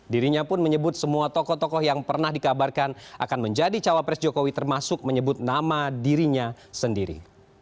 dirinya pun menyebut semua tokoh tokoh yang pernah dikabarkan akan menjadi cawapres jokowi termasuk menyebut nama dirinya sendiri